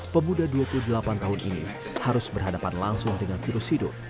pemuda dua puluh delapan tahun ini harus berhadapan langsung dengan virus hidup